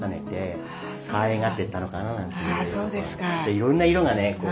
いろんな色がね